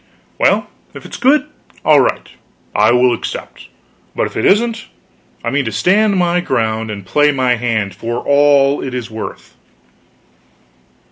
Well, if it is good, all right, I will accept; but if it isn't, I mean to stand my ground and play my hand for all it is worth."